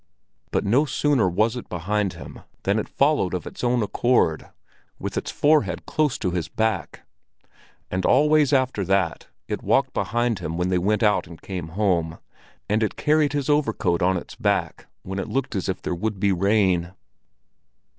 But no sooner was it behind him than it followed of its own accord, with its forehead close to his back; and always after that it walked behind him when they went out and came home, and it carried his overcoat on its back when it looked as if there would be rain.